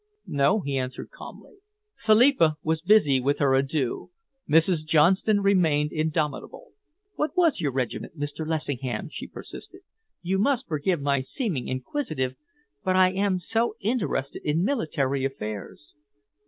"No," he answered calmly. Philippa was busy with her adieux. Mrs. Johnson remained indomitable. "What was your regiment, Mr. Lessingham?" she persisted. "You must forgive my seeming inquisitive, but I am so interested in military affairs."